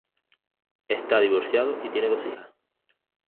Está divorciado y tiene dos hijas.